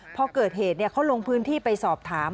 พอเกิดเหตุเขาลงพื้นที่ไปสอบถาม